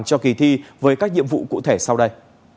cho kỳ thi với các nhiệm vụ cụ thể sau đây